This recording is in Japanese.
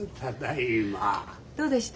どうでした？